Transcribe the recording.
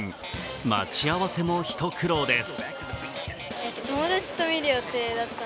待ち合わせも一苦労です。